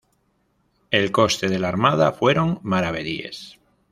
El coste de la armada fueron maravedíes.